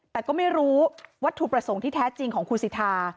แต่ก็ไม่รู้วัตถุประสงค์ที่แท้จริงของคุณสิทธา